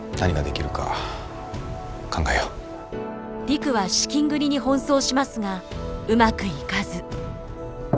陸は資金繰りに奔走しますがうまくいかず。